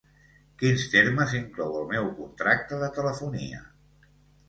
Quins termes inclou el meu contracte de telefonia?